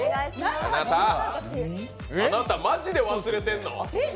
あなた、マジで忘れてんの？